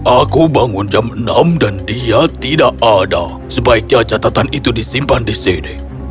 aku bangun jam enam dan dia tidak ada sebaiknya catatan itu disimpan di sini